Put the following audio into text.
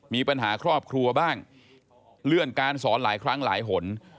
มีปัญหาครอบครัวบ้างเลื่อนการสอนหลายครั้งหลายหน